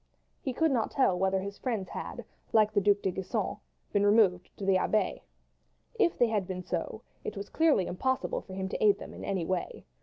He could not tell whether his friends had, like the Duc de Gisons, been removed to the Abbaye. If they had been so, it was clearly impossible for him to aid them in any way.